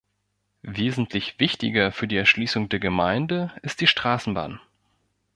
Wesentlich wichtiger für die Erschließung der Gemeinde ist die Straßenbahn.